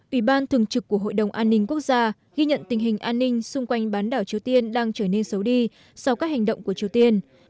ủy ban thường trực của hội đồng an ninh quốc gia ghi nhận tình hình an ninh xung quanh bán đảo triều tiên đang trở nên xấu đi sau các hành động của triều tiên